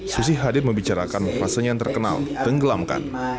susi hadir membicarakan fasenya yang terkenal tenggelamkan